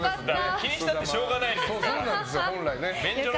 気にしたってしょうがないですから。